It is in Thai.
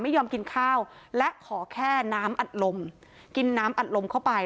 ไม่ยอมกินข้าวและขอแค่น้ำอัดลมกินน้ำอัดลมเข้าไป